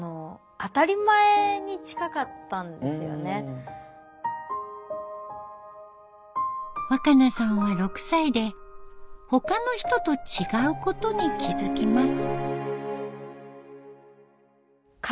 例えば若渚さんは６歳で他の人と違うことに気付きます。